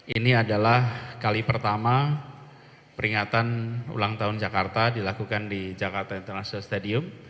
ini adalah kali pertama peringatan ulang tahun jakarta dilakukan di jakarta international stadium